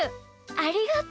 ありがとう！